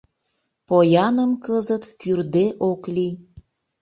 Пояным кызыт кӱрде ок лий.